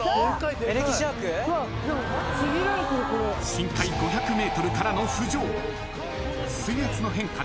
［深海５００ｍからの浮上］